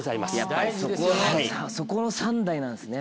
そこの三大なんですね。